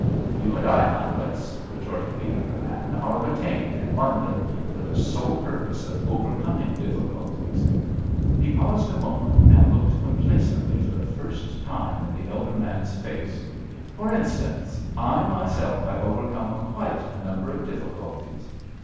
"You and I, Manwitz," retorted the younger man, "are retained in London for the sole purpose of overcoming difficulties." He paused a moment, and looked complacently for the first time in the elder man's face. "For instance, I myself have overcome quite a number of difficulties."